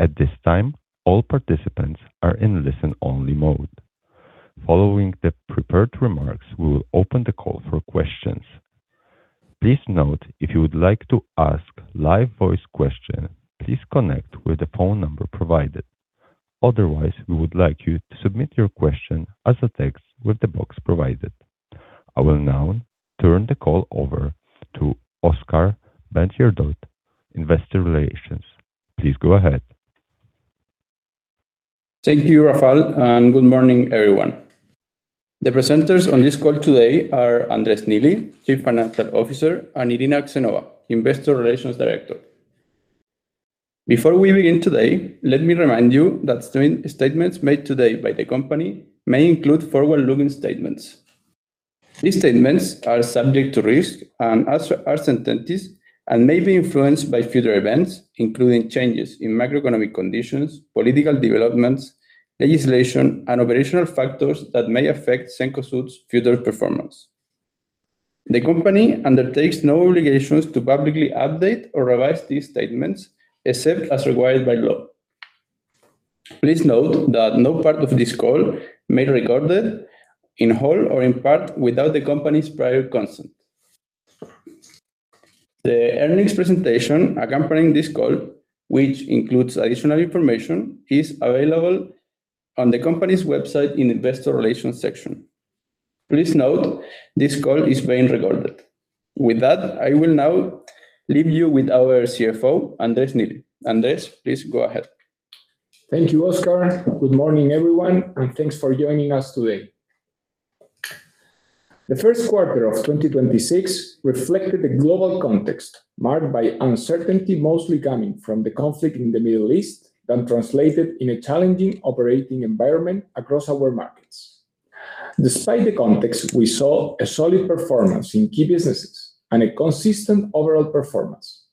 At this time, all participants are in listen-only mode. Following the prepared remarks, we will open the call for questions. Please note, if you would like to ask live voice questions, please connect with the phone number provided. Otherwise, we would like you to submit your question as a text with the box provided. I will now turn the call over to Oscar Bentjerodt, Investor Relations. Please go ahead. Thank you, Rafael. Good morning, everyone. The presenters on this call today are Andrés Neely, Chief Financial Officer, and Irina Axenova, Investor Relations Director. Before we begin today, let me remind you that statements made today by the company may include forward-looking statements. These statements are subject to risk and uncertainties and may be influenced by future events, including changes in macroeconomic conditions, political developments, legislation, and operational factors that may affect Cencosud's future performance. The company undertakes no obligations to publicly update or revise these statements, except as required by law. Please note that no part of this call may be recorded in whole or in part without the company's prior consent. The earnings presentation accompanying this call, which includes additional information, is available on the company's website in Investor Relations section. Please note this call is being recorded. With that, I will now leave you with our CFO, Andrés Neely. Andrés, please go ahead. Thank you, Oscar. Good morning, everyone, and thanks for joining us today. The first quarter of 2026 reflected the global context marked by uncertainty, mostly coming from the conflict in the Middle East that translated in a challenging operating environment across our markets. Despite the context, we saw a solid performance in key businesses and a consistent overall performance.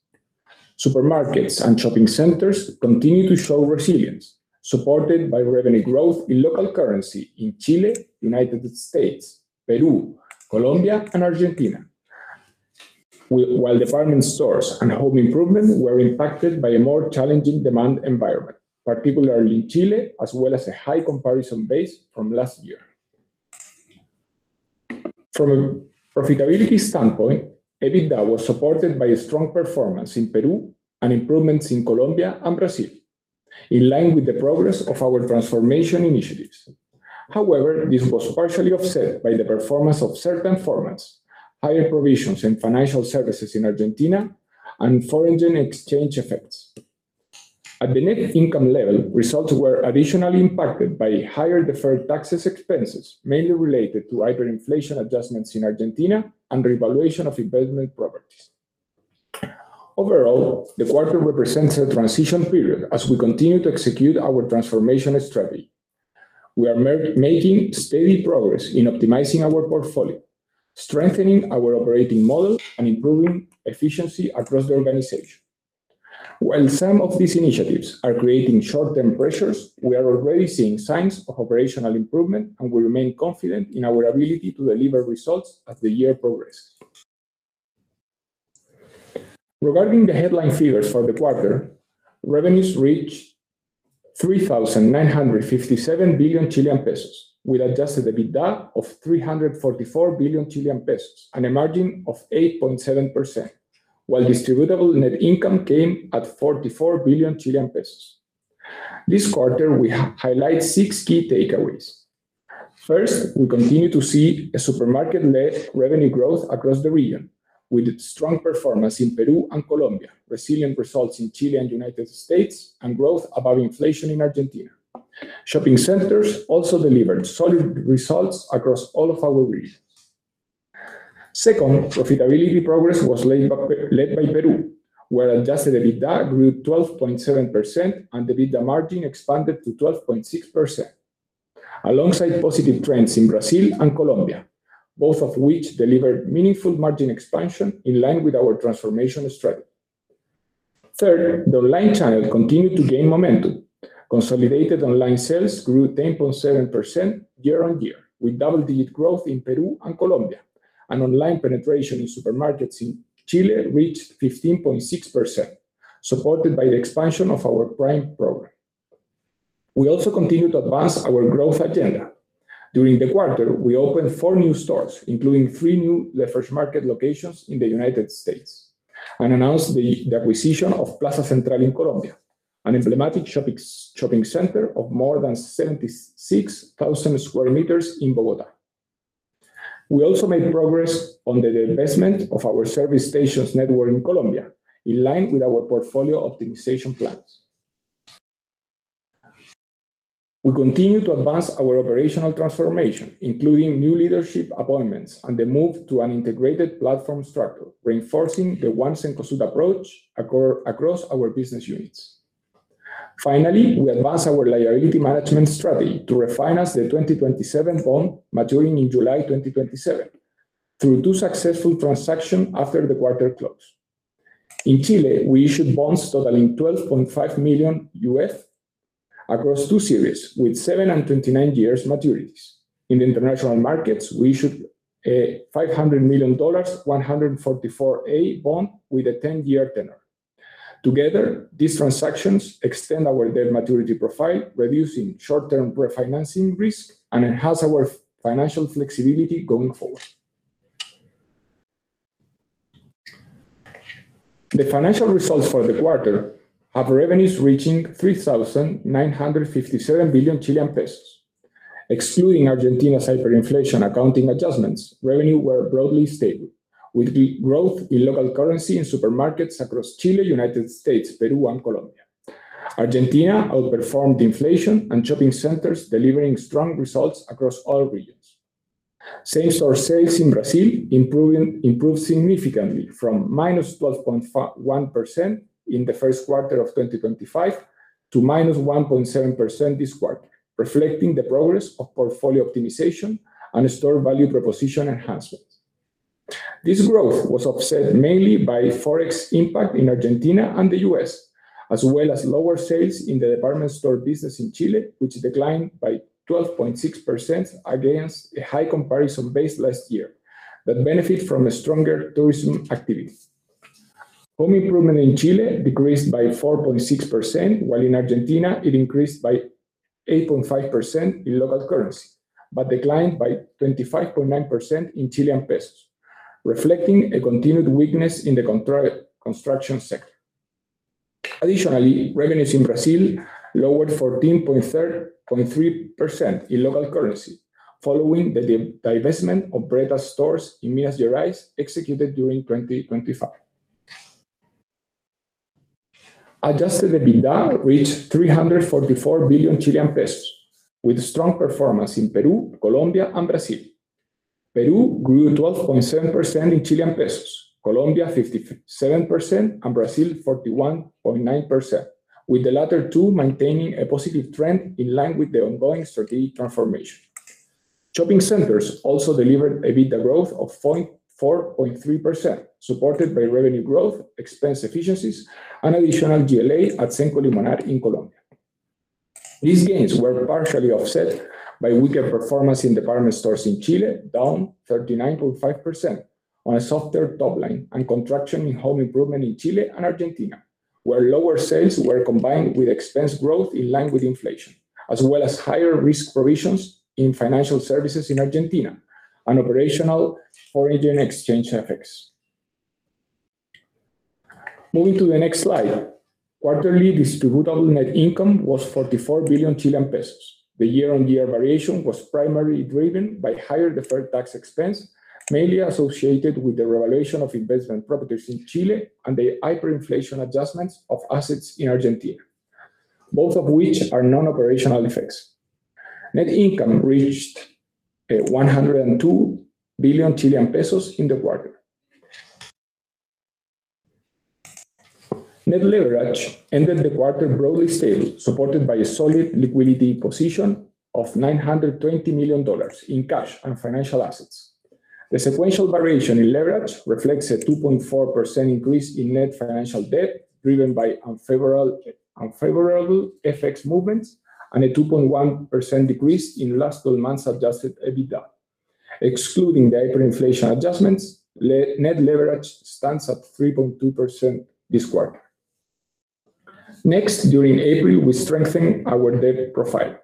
Supermarkets and shopping centers continue to show resilience, supported by revenue growth in local currency in Chile, United States, Peru, Colombia, and Argentina. While the department stores and home improvement were impacted by a more challenging demand environment, particularly in Chile, as well as a high comparison base from last year. From a profitability standpoint, EBITDA was supported by a strong performance in Peru and improvements in Colombia and Brazil, in line with the progress of our transformation initiatives. However, this was partially offset by the performance of certain formats, higher provisions in financial services in Argentina, and foreign exchange effects. At the net income level, results were additionally impacted by higher deferred taxes expenses, mainly related to hyperinflation adjustments in Argentina and revaluation of investment properties. Overall, the quarter represents a transition period as we continue to execute our transformation strategy. We are making steady progress in optimizing our portfolio, strengthening our operating model, and improving efficiency across the organization. While some of these initiatives are creating short-term pressures, we are already seeing signs of operational improvement, and we remain confident in our ability to deliver results as the year progress. Regarding the headline figures for the quarter, revenues reached 3,957 billion Chilean pesos, with adjusted EBITDA of 344 billion Chilean pesos and a margin of 8.7%, while distributable net income came at 44 billion Chilean pesos. This quarter, we highlight six key takeaways. First, we continue to see a supermarket-led revenue growth across the region with strong performance in Peru and Colombia, resilient results in Chile and United States, and growth above inflation in Argentina. Shopping centers also delivered solid results across all of our regions. Second, profitability progress was led by Peru, where adjusted EBITDA grew 12.7% and the EBITDA margin expanded to 12.6%, alongside positive trends in Brazil and Colombia, both of which delivered meaningful margin expansion in line with our transformation strategy. Third, the online channel continued to gain momentum. Consolidated online sales grew 10.7% year-on-year, with double-digit growth in Peru and Colombia. Online penetration in supermarkets in Chile reached 15.6%, supported by the expansion of our Prime program. We also continue to advance our growth agenda. During the quarter, we opened four new stores, including three new The Fresh Market locations in the United States, and announced the acquisition of Plaza Central in Colombia, an emblematic shopping center of more than 76,000 sq m in Bogotá. We also made progress on the divestment of our service stations network in Colombia, in line with our portfolio optimization plans. We continue to advance our operational transformation, including new leadership appointments and the move to an integrated platform structure, reinforcing the One Cencosud approach across our business units. Finally, we advanced our liability management strategy to refinance the 2027 bond maturing in July 2027 through two successful transaction after the quarter close. In Chile, we issued bonds totaling UF 12.5 million across two series with 7 and 29 years maturities. In international markets, we issued a $500 million 144A bond with a 10-year tenor. Together, these transactions extend our debt maturity profile, reducing short-term refinancing risk and enhance our financial flexibility going forward. The financial results for the quarter have revenues reaching 3,957 billion Chilean pesos. Excluding Argentina hyperinflation accounting adjustments, revenue were broadly stable, with the growth in local currency in supermarkets across Chile, United States, Peru, and Colombia. Argentina outperformed inflation and shopping centers, delivering strong results across all regions. Same-store sales in Brazil improved significantly from -12.1% in the first quarter of 2025 to -1.7% this quarter, reflecting the progress of portfolio optimization and store value proposition enhancements. This growth was offset mainly by Forex impact in Argentina and the U.S., as well as lower sales in the department store business in Chile, which declined by 12.6% against a high comparison base last year that benefit from a stronger tourism activity. Home improvement in Chile decreased by 4.6%, while in Argentina it increased by 8.5% in local currency, but declined by 25.9% in Chilean pesos, reflecting a continued weakness in the construction sector. Additionally, revenues in Brazil lowered 14.3% in local currency following the de-divestment of Bretas stores in Minas Gerais executed during 2025. Adjusted EBITDA reached 344 billion Chilean pesos, with strong performance in Peru, Colombia, and Brazil. Peru grew 12.7% in Chilean pesos, Colombia 57%, and Brazil 41.9%, with the latter two maintaining a positive trend in line with the ongoing strategic transformation. Shopping centers also delivered a EBITDA growth of 4.3%, supported by revenue growth, expense efficiencies and additional GLA at Cenco Limonar in Colombia. These gains were partially offset by weaker performance in department stores in Chile, down 39.5% on a softer top line and contraction in home improvement in Chile and Argentina, where lower sales were combined with expense growth in line with inflation, as well as higher risk provisions in financial services in Argentina and operational foreign exchange effects. Moving to the next slide. Quarterly distributable net income was 44 billion Chilean pesos. The year-on-year variation was primarily driven by higher deferred tax expense, mainly associated with the revaluation of investment properties in Chile and the hyperinflation adjustments of assets in Argentina, both of which are non-operational effects. Net income reached 102 billion Chilean pesos in the quarter. Net leverage ended the quarter broadly stable, supported by a solid liquidity position of $920 million in cash and financial assets. The sequential variation in leverage reflects a 2.4% increase in net financial debt, driven by unfavorable FX movements, and a 2.1% decrease in like-for-like month adjusted EBITDA. Excluding the hyperinflation adjustments, net leverage stands at 3.2% this quarter. During April, we strengthened our debt profile.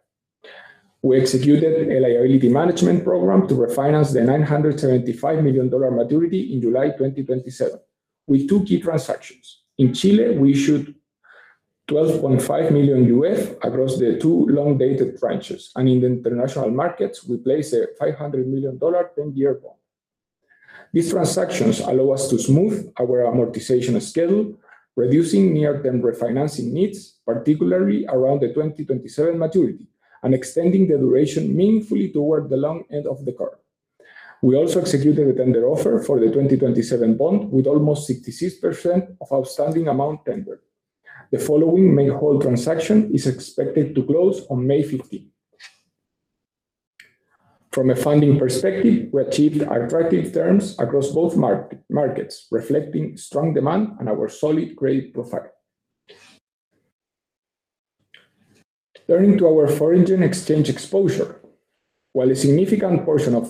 We executed a liability management program to refinance the $975 million maturity in July 2027 with two key transactions. In Chile, we issued UF 12.5 million across the two long-dated tranches. In the international markets, we placed a $500 million 10-year bond. These transactions allow us to smooth our amortization schedule, reducing near-term refinancing needs, particularly around the 2027 maturity, extending the duration meaningfully toward the long end of the curve. We also executed a tender offer for the 2027 bond with almost 66% of outstanding amount tendered. The following make-whole transaction is expected to close on May 15th. From a funding perspective, we achieved attractive terms across both mark-markets, reflecting strong demand and our solid credit profile. Turning to our foreign exchange exposure. While a significant portion of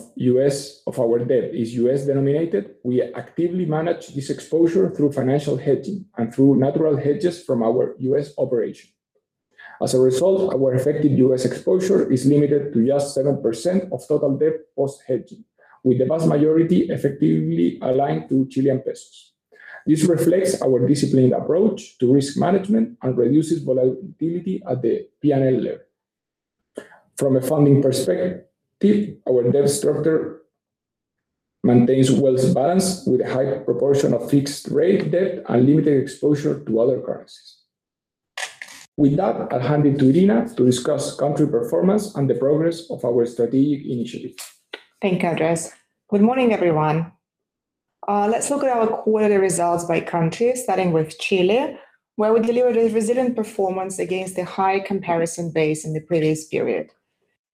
our debt is U.S. denominated, we actively manage this exposure through financial hedging and through natural hedges from our U.S. operation. As a result, our effective U.S. exposure is limited to just 7% of total debt post-hedging, with the vast majority effectively aligned to Chilean pesos. This reflects our disciplined approach to risk management and reduces volatility at the P&L level. From a funding perspective, our debt structure maintains well balance with a high proportion of fixed rate debt and limited exposure to other currencies. With that, I'll hand it to Irina to discuss country performance and the progress of our strategic initiatives. Thank you, Andrés. Good morning, everyone. Let's look at our quarterly results by country, starting with Chile, where we delivered a resilient performance against the high comparison base in the previous period.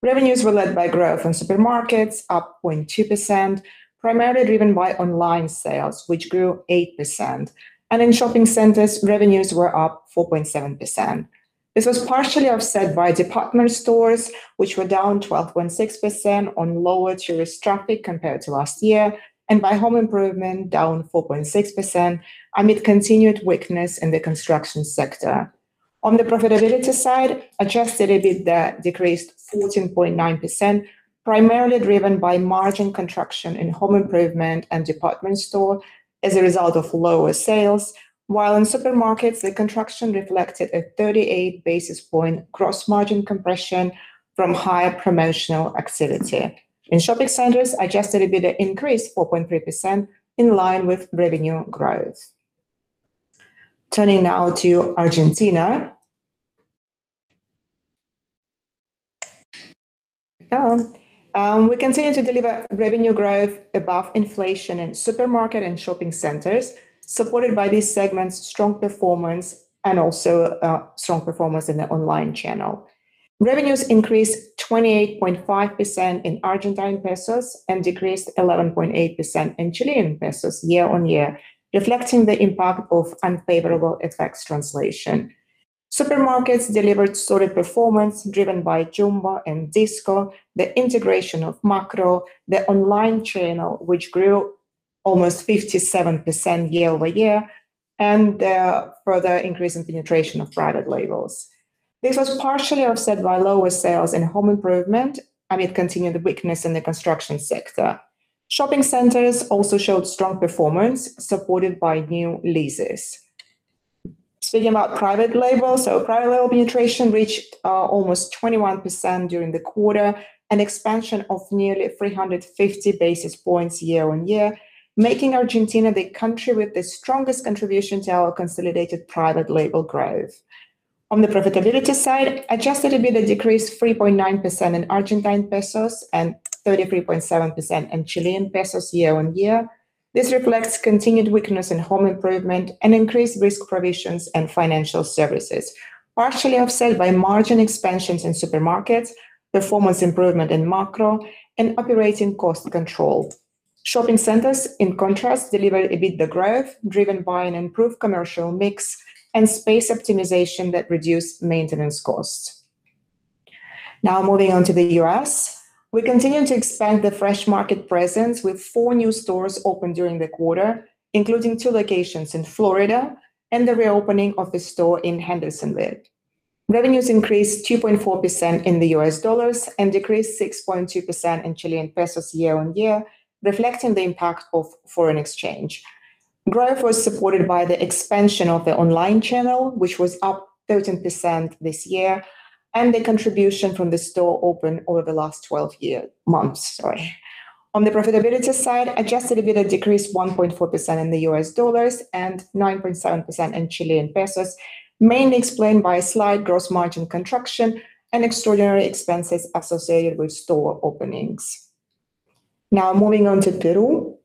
Revenues were led by growth in supermarkets, up 0.2%, primarily driven by online sales, which grew 8%. In shopping centers, revenues were up 4.7%. This was partially offset by department stores, which were down 12.6% on lower tourist traffic compared to last year, and by home improvement down 4.6% amid continued weakness in the construction sector. On the profitability side, adjusted EBITDA decreased 14.9%, primarily driven by margin contraction in home improvement and department store as a result of lower sales, while in supermarkets, the contraction reflected a 38 basis point gross margin compression from higher promotional activity. In shopping centers, adjusted EBITDA increased 4.3% in line with revenue growth. Turning now to Argentine. We continue to deliver revenue growth above inflation in supermarket and shopping centers, supported by these segments' strong performance and also strong performance in the online channel. Revenues increased 28.5% in Argentine pesos and decreased 11.8% in Chilean pesos year-on-year, reflecting the impact of unfavorable FX translation. Supermarkets delivered solid performance driven by Jumbo and Disco, the integration of Makro, the online channel, which grew almost 57% year-over-year, and further increase in penetration of private labels. This was partially offset by lower sales in home improvement amid continued weakness in the construction sector. Shopping centers also showed strong performance, supported by new leases. Speaking about private label, private label penetration reached almost 21% during the quarter, an expansion of nearly 350 basis points year-on-year, making Argentina the country with the strongest contribution to our consolidated private label growth. On the profitability side, adjusted EBITDA decreased 3.9% in Argentine pesos and 33.7% in Chilean pesos year-on-year. This reflects continued weakness in home improvement and increased risk provisions and financial services, partially offset by margin expansions in supermarkets, performance improvement in Makro, and operating cost control. Shopping centers, in contrast, delivered EBITDA growth driven by an improved commercial mix and space optimization that reduced maintenance costs. Moving on to the U.S. We continue to expand The Fresh Market presence with four new stores opened during the quarter, including two locations in Florida and the reopening of the store in Hendersonville. Revenues increased 2.4% in U.S. dollars and decreased 6.2% in Chilean pesos year-over-year, reflecting the impact of foreign exchange. Growth was supported by the expansion of the online channel, which was up 13% this year, and the contribution from the store opened over the last 12 months, sorry. On the profitability side, adjusted EBITDA decreased 1.4% in U.S. dollars and 9.7% in Chilean pesos, mainly explained by a slight gross margin contraction and extraordinary expenses associated with store openings. Now moving on to Peru.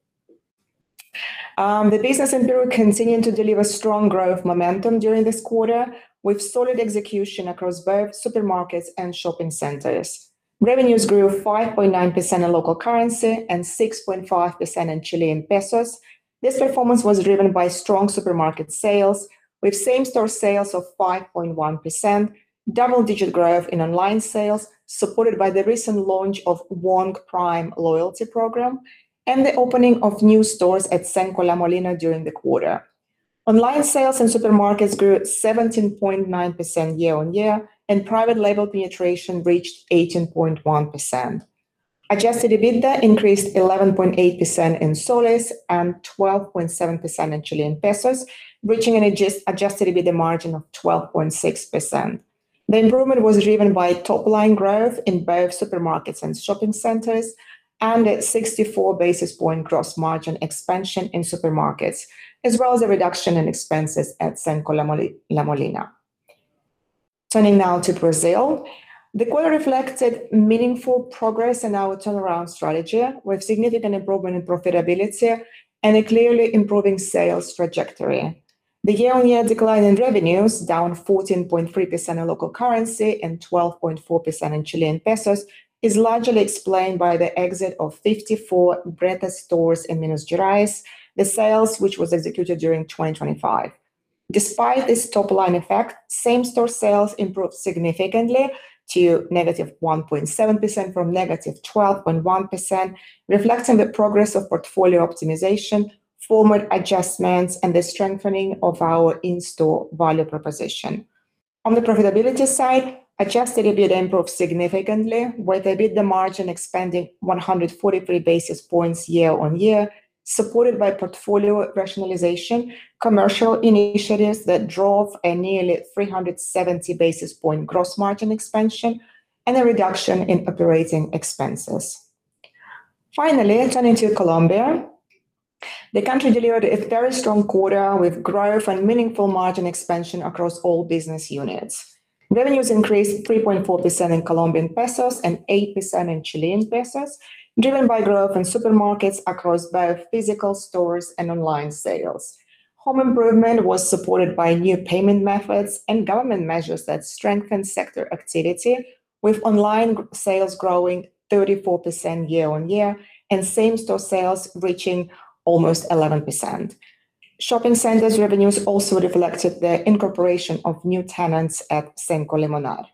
The business in Peru continued to deliver strong growth momentum during this quarter, with solid execution across both supermarkets and shopping centers. Revenues grew 5.9% in local currency and 6.5% in Chilean pesos. This performance was driven by strong supermarket sales, with same-store sales of 5.1%, double-digit growth in online sales, supported by the recent launch of Wong Prime loyalty program, and the opening of new stores at Cenco La Molina during the quarter. Online sales in supermarkets grew 17.9% year-on-year, and private label penetration reached 18.1%. Adjusted EBITDA increased 11.8% in Soles and 12.7% in Chilean pesos, reaching an adjusted EBITDA margin of 12.6%. The improvement was driven by top-line growth in both supermarkets and shopping centers and a 64 basis point gross margin expansion in supermarkets, as well as a reduction in expenses at Cenco La Molina. Turning now to Brazil. The quarter reflected meaningful progress in our turnaround strategy, with significant improvement in profitability and a clearly improving sales trajectory. The year-on-year decline in revenues, down 14.3% in local currency and 12.4% in Chilean pesos, is largely explained by the exit of 54 Bretas stores in Minas Gerais, the sales which was executed during 2025. Despite this top-line effect, same-store sales improved significantly to -1.7% from -12.1%, reflecting the progress of portfolio optimization, format adjustments, and the strengthening of our in-store value proposition. On the profitability side, adjusted EBITDA improved significantly, with EBITDA margin expanding 143 basis points year-on-year, supported by portfolio rationalization, commercial initiatives that drove a nearly 370 basis point gross margin expansion, and a reduction in operating expenses. Finally, turning to Colombia. The country delivered a very strong quarter, with growth and meaningful margin expansion across all business units. Revenues increased 3.4% in Colombian pesos and 8% in Chilean pesos, driven by growth in supermarkets across both physical stores and online sales. Home improvement was supported by new payment methods and government measures that strengthened sector activity, with online sales growing 34% year-on-year and same-store sales reaching almost 11%. Shopping centers revenues also reflected the incorporation of new tenants at Cenco Limonar.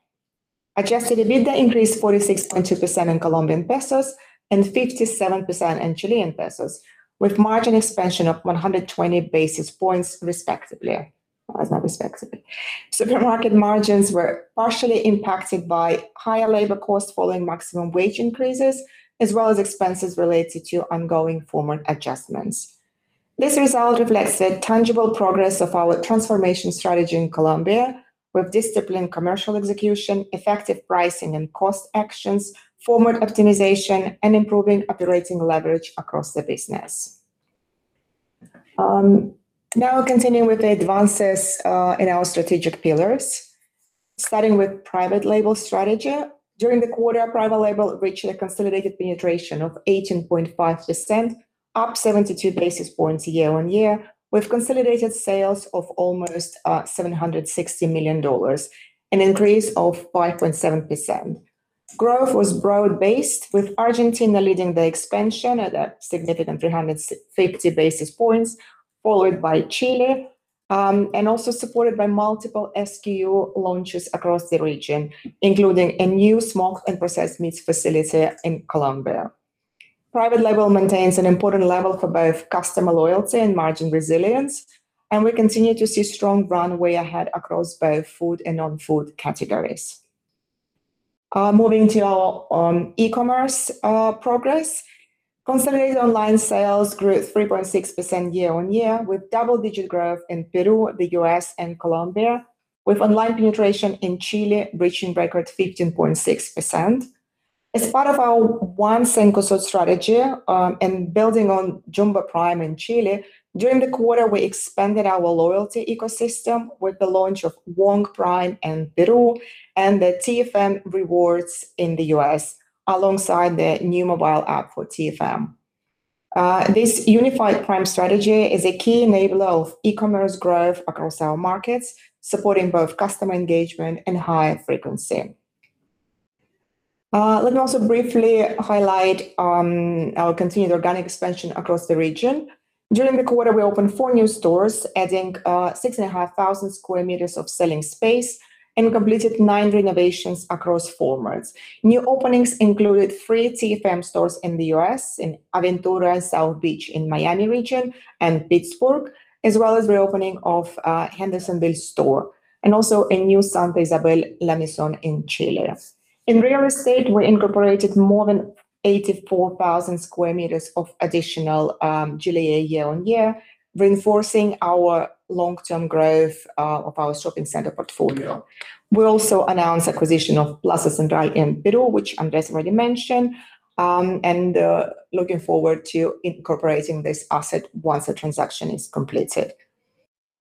Adjusted EBITDA increased 46.2% in Colombian pesos and 57% in Chilean pesos, with margin expansion of 120 basis points respectively. That's not respectively. Supermarket margins were partially impacted by higher labor costs following maximum wage increases, as well as expenses related to ongoing format adjustments. This result reflects the tangible progress of our transformation strategy in Colombia, with disciplined commercial execution, effective pricing and cost actions, format optimization, and improving operating leverage across the business. Now continuing with the advances in our strategic pillars, starting with private label strategy. During the quarter, private label reached a consolidated penetration of 18.5%, up 72 basis points year-on-year, with consolidated sales of almost $760 million, an increase of 5.7%. Growth was broad-based, with Argentina leading the expansion at a significant 350 basis points, followed by Chile, and also supported by multiple SKU launches across the region, including a new smoked and processed meats facility in Colombia. Private label maintains an important level for both customer loyalty and margin resilience. We continue to see strong runway ahead across both food and non-food categories. Moving to our e-commerce progress. Consolidated online sales grew 3.6% year-on-year, with double-digit growth in Peru, the U.S. and Colombia, with online penetration in Chile reaching record 15.6%. As part of our One Cencosud strategy, building on Jumbo Prime in Chile, during the quarter, we expanded our loyalty ecosystem with the launch of Wong Prime in Peru and the TFM Rewards in the U.S., alongside the new mobile app for TFM. This unified Prime strategy is a key enabler of e-commerce growth across our markets, supporting both customer engagement and higher frequency. Let me also briefly highlight our continued organic expansion across the region. During the quarter, we opened four new stores, adding 6,500 sq m of selling space, and we completed nine renovations across formats. New openings included three TFM stores in the U.S., in Aventura and South Beach in Miami region and Pittsburgh, as well as the reopening of Hendersonville store and also a new Santa Isabel La Maison in Chile. In real estate, we incorporated more than 84,000 sq m of additional GLA year-on-year, reinforcing our long-term growth of our shopping center portfolio. We also announced acquisition of Plaza Central in Peru, which Andrés already mentioned, and looking forward to incorporating this asset once the transaction is completed.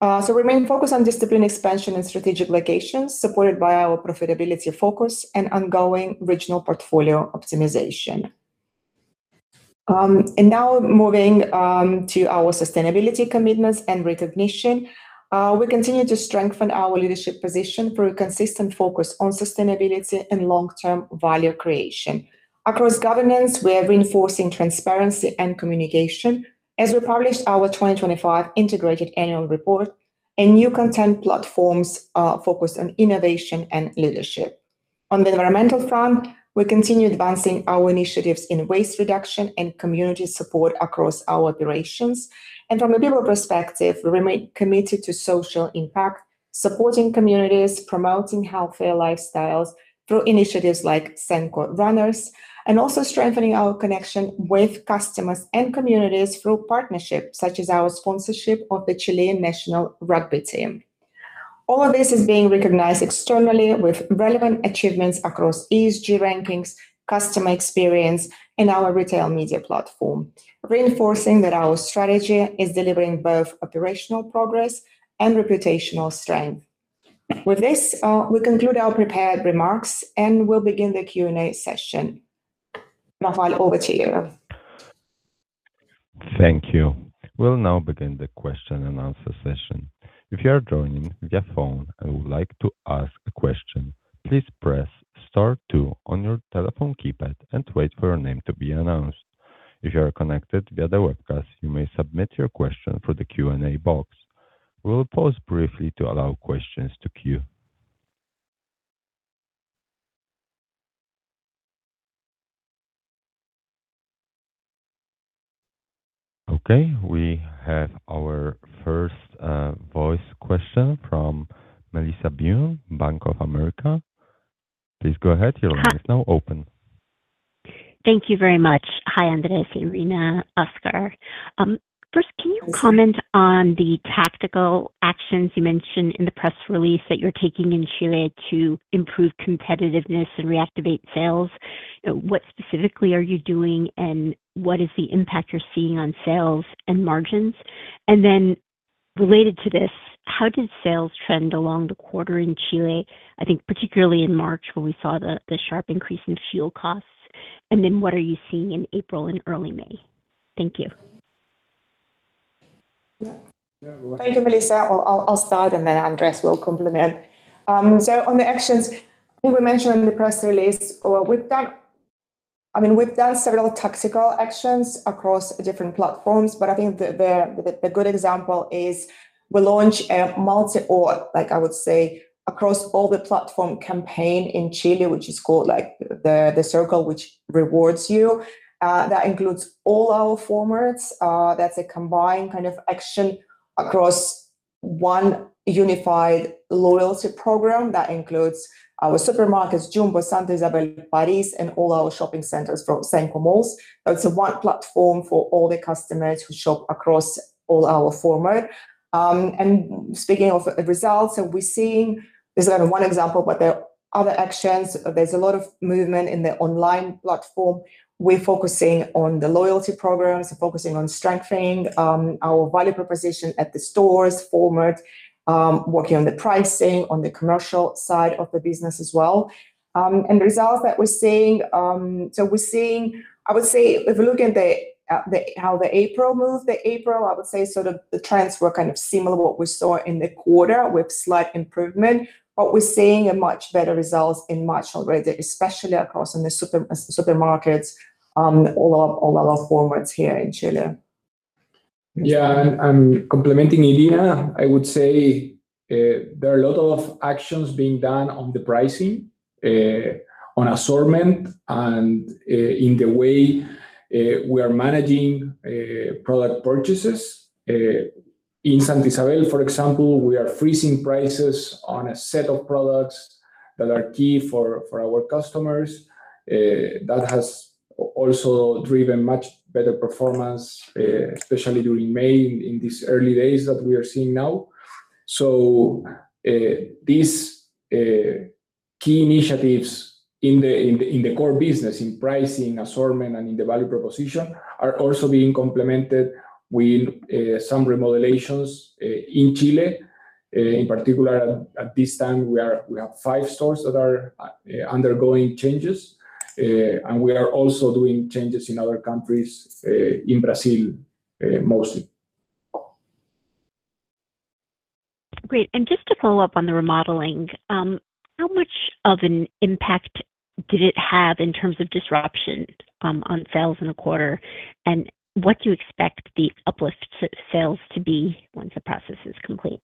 Remain focused on disciplined expansion and strategic locations, supported by our profitability focus and ongoing regional portfolio optimization. Now moving to our sustainability commitments and recognition. We continue to strengthen our leadership position through a consistent focus on sustainability and long-term value creation. Across governance, we are reinforcing transparency and communication as we published our 2025 integrated annual report and new content platforms, focused on innovation and leadership. On the environmental front, we continue advancing our initiatives in waste reduction and community support across our operations. From a people perspective, we remain committed to social impact, supporting communities, promoting healthier lifestyles through initiatives like Cenco Runners, and also strengthening our connection with customers and communities through partnerships such as our sponsorship of the Chilean national rugby team. All of this is being recognized externally with relevant achievements across ESG rankings, customer experience, and our retail media platform, reinforcing that our strategy is delivering both operational progress and reputational strength. With this, we conclude our prepared remarks, and we'll begin the Q&A session. Rafael, over to you. Thank you. We'll now begin the question and answer session. If you are joining via phone and would like to ask a question, please press star two on your telephone keypad and wait for your name to be announced. If you are connected via the webcast, you may submit your question through the Q&A box. We will pause briefly to allow questions to queue. Okay, we have our first voice question from Melissa Byun, Bank of America. Please go ahead. Your line is now open. Thank you very much. Hi, Andrés, Irina, Oscar. First, can you comment on the tactical actions you mentioned in the press release that you're taking in Chile to improve competitiveness and reactivate sales? What specifically are you doing, and what is the impact you're seeing on sales and margins? Related to this, how did sales trend along the quarter in Chile, I think particularly in March when we saw the sharp increase in fuel costs? What are you seeing in April and early May? Thank you. Yeah. Thank you, Melissa. I'll start, and then Andrés will complement. On the actions, I think we mentioned in the press release, we've done several tactical actions across different platforms, but I think the good example is we launch a multi or, like I would say, across all the platform campaign in Chile, which is called The Circle Which Rewards You. That includes all our formats. That's a combined kind of action across one unified loyalty program that includes our supermarkets, Jumbo, Santa Isabel, Paris, and all our shopping centers from Cenco Malls. It's a one platform for all the customers who shop across all our format. Speaking of the results that we're seeing, this is only one example, but there are other actions. There's a lot of movement in the online platform. We're focusing on the loyalty programs, focusing on strengthening, our value proposition at the stores format, working on the pricing, on the commercial side of the business as well. The results that we're seeing, we're seeing I would say if we look at the how the April moved, I would say sort of the trends were kind of similar to what we saw in the quarter with slight improvement. We're seeing a much better results in March already, especially across in the supermarkets, all our formats here in Chile. Complementing Irina, I would say there are a lot of actions being done on the pricing, on assortment and in the way we are managing product purchases. In Santa Isabel, for example, we are freezing prices on a set of products that are key for our customers. That has also driven much better performance, especially during May in these early days that we are seeing now. These key initiatives in the core business, in pricing, assortment, and in the value proposition are also being complemented with some remodelations in Chile. In particular at this time, we have five stores that are undergoing changes, and we are also doing changes in other countries, in Brazil, mostly. Great. Just to follow up on the remodeling, how much of an impact did it have in terms of disruption on sales in the quarter? What do you expect the uplift sales to be once the process is complete?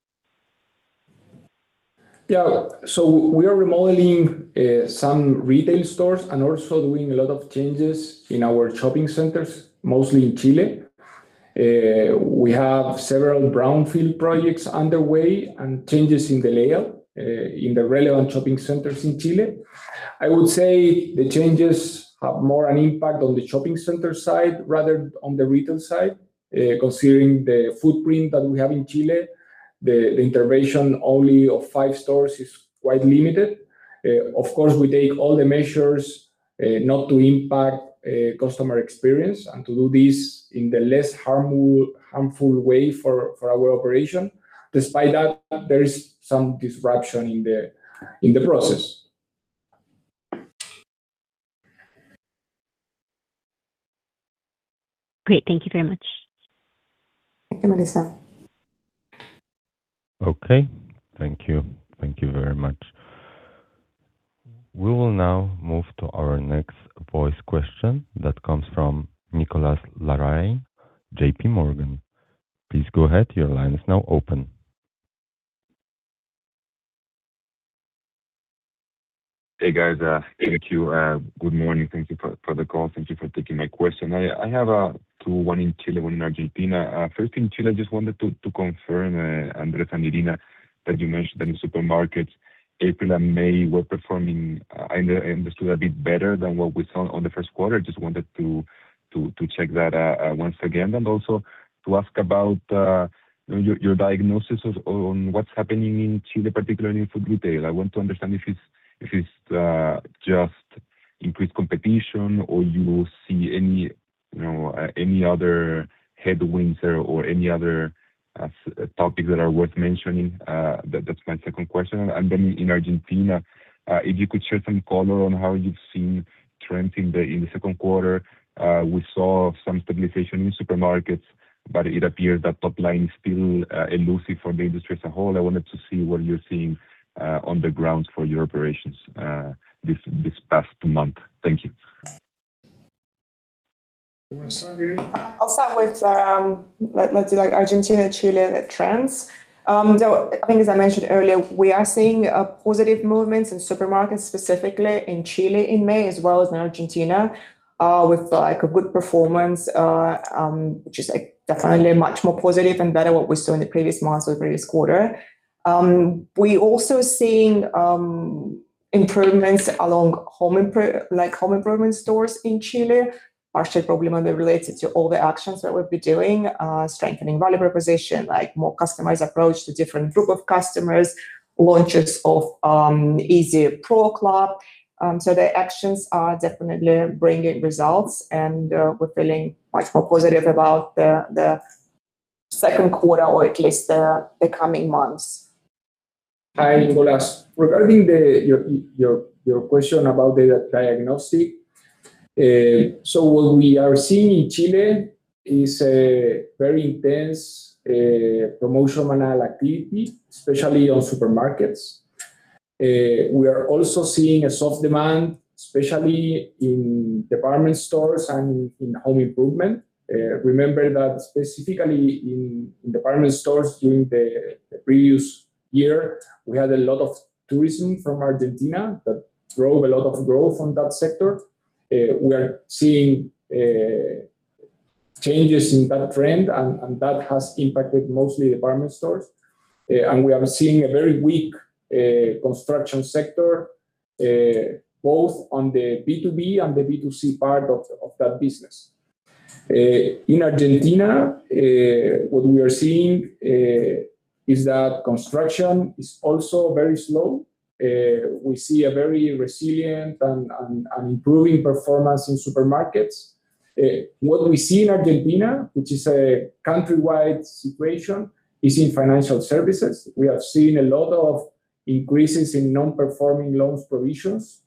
We are remodeling some retail stores and also doing a lot of changes in our shopping centers, mostly in Chile. We have several brownfield projects underway and changes in the layout in the relevant shopping centers in Chile. I would say the changes have more an impact on the shopping center side rather on the retail side. Considering the footprint that we have in Chile, the intervention only of five stores is quite limited. Of course, we take all the measures not to impact customer experience and to do this in the less harmful way for our operation. Despite that, there is some disruption in the process. Great. Thank you very much. Thank you, Melissa. Okay. Thank you. Thank you very much. We will now move to our next voice question that comes from Nicolás Larrain, JPMorgan. Please go ahead. Your line is now open. Hey, guys. Thank you. Good morning. Thank you for the call. Thank you for taking my question. I have two, one in Chile, one in Argentina. First in Chile, just wanted to confirm Andrés and Irina, that you mentioned that in supermarkets, April and May were performing, I understood, a bit better than what we saw on the first quarter. Just wanted to check that out once again. Also to ask about, you know, your diagnosis on what's happening in Chile, particularly in food retail. I want to understand if it's just increased competition or you see any, you know, any other headwinds or any other topics that are worth mentioning. That's my second question. In Argentina, if you could share some color on how you've seen trends in the second quarter. We saw some stabilization in supermarkets, but it appears that top line is still elusive for the industry as a whole. I wanted to see what you're seeing on the ground for your operations this past month. Thank you. You wanna start, Irina? I'll start with, let's do like Argentina, Chile trends. I think as I mentioned earlier, we are seeing positive movements in supermarkets, specifically in Chile in May as well as in Argentina, with like a good performance, which is like definitely much more positive and better what we saw in the previous months or previous quarter. We're also seeing improvements along home improvement stores in Chile, partially probably only related to all the actions that we've been doing, strengthening value proposition, like more customized approach to different group of customers, launches of Easy Pro Club. The actions are definitely bringing results and we're feeling much more positive about the second quarter or at least the coming months. Hi, Nicolás. Regarding your question about data diagnostic, what we are seeing in Chile is a very intense promotional activity, especially on supermarkets. We are also seeing a soft demand, especially in department stores and in home improvement. Remember that specifically in department stores during the previous year, we had a lot of tourism from Argentina that drove a lot of growth on that sector. We are seeing changes in that trend and that has impacted mostly department stores. And we are seeing a very weak construction sector, both on the B2B and the B2C part of that business. In Argentina, what we are seeing is that construction is also very slow. We see a very resilient and improving performance in supermarkets. What we see in Argentina, which is a countrywide situation, is in financial services. We have seen a lot of increases in non-performing loans provisions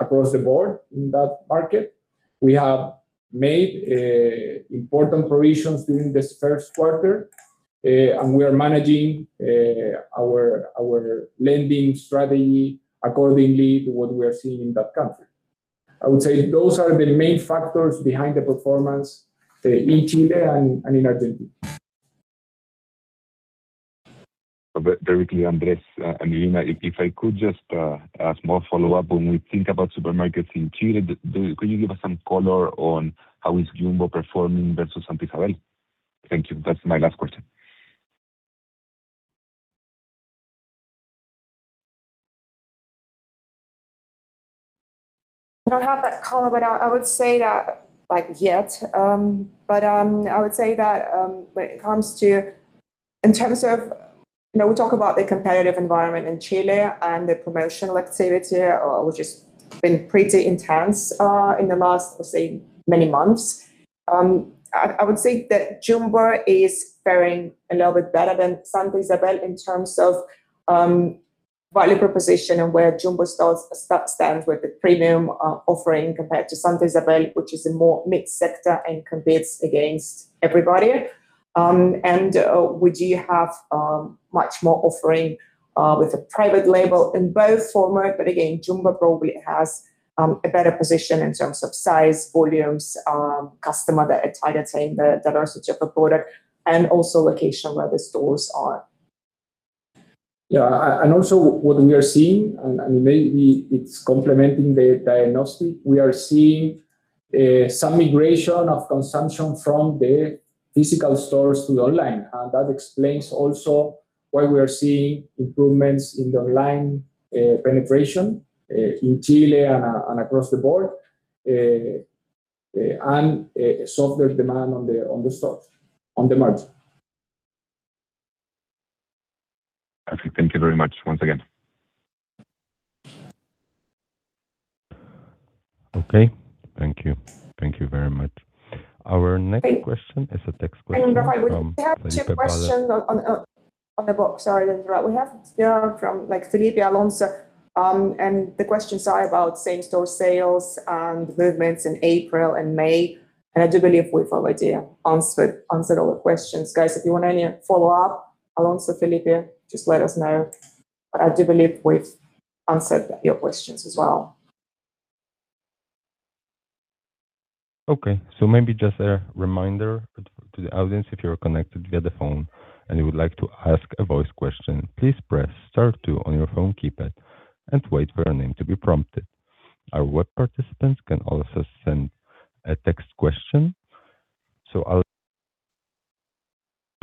across the board in that market. We have made important provisions during this first quarter, and we are managing our lending strategy accordingly to what we are seeing in that country. I would say those are the main factors behind the performance in Chile and in Argentina. Very quickly, Andrés and Irina, if I could just ask more follow-up. When we think about supermarkets in Chile, could you give us some color on how is Jumbo performing versus Santa Isabel? Thank you. That's my last question. I don't have that color, but I would say that, like yet, but I would say that, when it comes to, in terms of, you know, we talk about the competitive environment in Chile and the promotional activity, which has been pretty intense, in the last, let's say, many months. I would say that Jumbo is faring a little bit better than Santa Isabel in terms of value proposition and where Jumbo stores stands with the premium offering compared to Santa Isabel, which is a more mid-sector and competes against everybody. We do have much more offering with a private label in both format, but again, Jumbo probably has a better position in terms of size, volumes, customer that trying to attain the diversity of the product and also location where the stores are. Yeah, also what we are seeing, and maybe it's complementing the diagnostic, we are seeing some migration of consumption from the physical stores to online. That explains also why we are seeing improvements in the online penetration in Chile and across the board and a softer demand on the stores, on the margin. Actually, thank you very much once again. Okay. Thank you. Thank you very much. Our next question is a text question from. Rafael, we have two questions on the box. Sorry to interrupt. We have from Felipe, Alonso, the questions are about same-store sales and movements in April and May. I do believe we've already answered all the questions. Guys, if you want any follow-up, Alonso, Felipe, just let us know. I do believe we've answered your questions as well. Okay. Maybe just a reminder to the audience, if you are connected via the phone and you would like to ask a voice question, please press star two on your phone keypad and wait for your name to be prompted. Our web participants can also send a text question. I'll wait for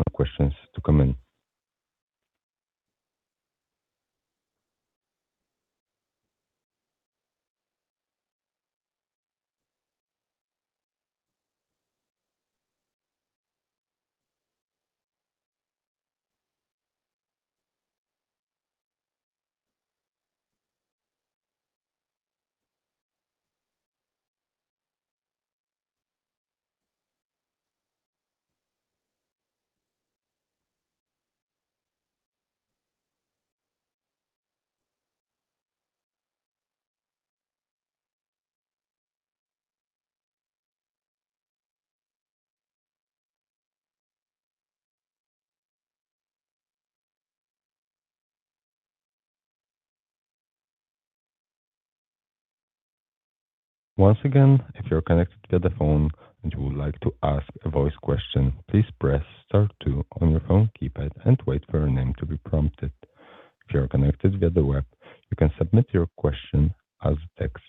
some questions to come in. Once again, if you're connected via the phone and you would like to ask a voice question, please press star two on your phone keypad and wait for your name to be prompted. If you are connected via the web, you can submit your question as text.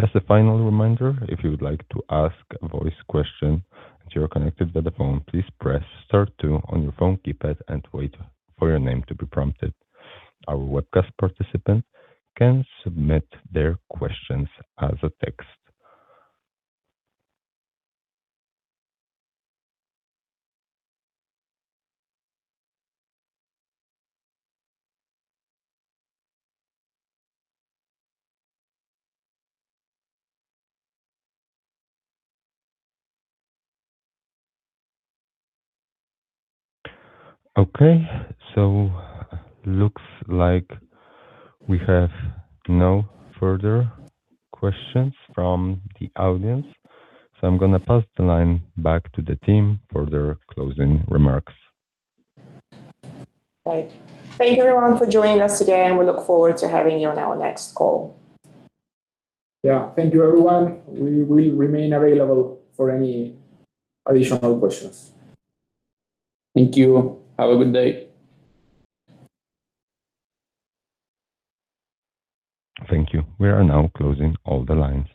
Just a final reminder, if you would like to ask a voice question and you are connected via the phone, please press star two on your phone keypad and wait for your name to be prompted. Our webcast participants can submit their questions as a text. Okay. Looks like we have no further questions from the audience, so I'm gonna pass the line back to the team for their closing remarks. Right. Thank you everyone for joining us today, and we look forward to having you on our next call. Yeah. Thank you, everyone. We will remain available for any additional questions. Thank you. Have a good day. Thank you. We are now closing all the lines.